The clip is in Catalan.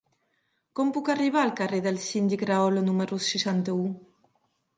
Com puc arribar al carrer del Síndic Rahola número seixanta-u?